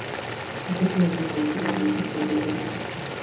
ঠিক আছে আমি মনে করি তুমি সুস্থ হয়ে যাবে ঠিক আছে?